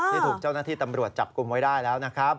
ที่ถูกเจ้าหน้าที่ตำรวจจับกลุ่มไว้ได้แล้วนะครับ